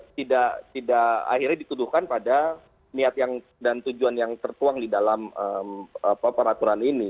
tidak akhirnya dituduhkan pada niat dan tujuan yang tertuang di dalam peraturan ini